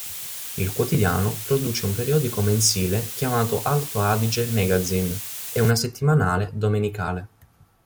Il quotidiano produce un periodico mensile chiamato "Alto Adige magazine", e una settimanale domenicale.